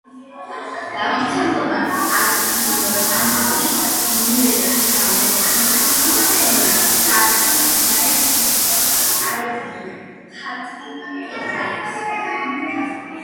გამომცემლობა „არტანუჯის“ მიერ გამოცემული წიგნი გასულ მაისს წარუდგინა ქართულენოვან მკითხველს.